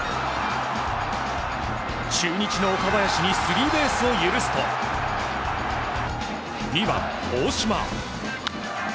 中日の岡林にスリーベースを許すと２番、大島。